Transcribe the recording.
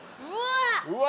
うわ！